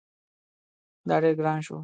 دا ډیر ګران شو